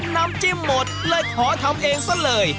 น้ำจิ้มหมดเลยขอทำเองซะเลย